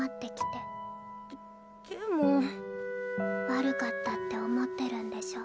悪かったって思ってるんでしょ。